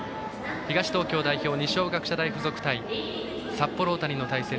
東東京代表の二松学舎大付属対札幌大谷の対戦。